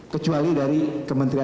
kecuali dari kementerian darurat